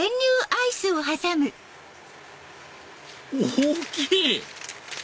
大きい！